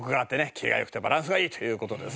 キレが良くてバランスがいいという事ですね。